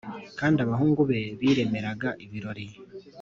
Kandi abahungu be biremeraga ibirori